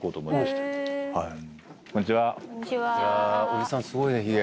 おじさんすごいねひげ。